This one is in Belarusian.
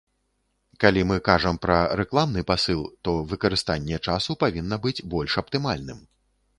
Калі мы кажам пра рэкламны пасыл, то выкарыстанне часу павінна быць больш аптымальным.